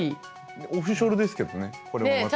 オフショルですけどねこれもまた。